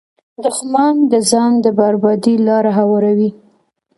دښمن د ځان د بربادۍ لاره هواروي